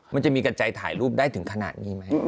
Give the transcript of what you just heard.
มันจะมีกระใจถ่ายรูปได้ถึงขนาดนี้ไหม